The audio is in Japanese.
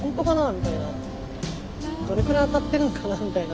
みたいなどれくらい当たってるのかなみたいな。